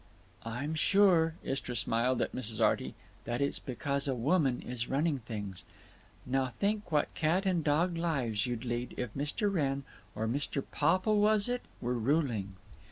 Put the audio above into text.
"I'm sure"—Istra smiled at Mrs. Arty—"that it's because a woman is running things. Now think what cat and dog lives you'd lead if Mr. Wrenn or Mr.—Popple, was it?—were ruling."